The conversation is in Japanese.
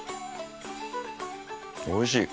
おいしい。